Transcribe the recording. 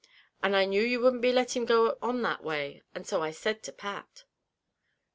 But I knew you wouldn't be letting him go on that way, and so I said to Pat."